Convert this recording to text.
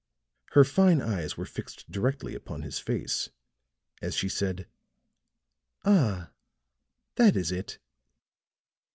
Her fine eyes were fixed directly upon his face, as she said: "Ah, that is it."